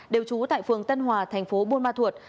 đều trú tại phường tân hòa thành phố buôn ma thuột